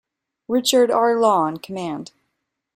Richard R. Law in command.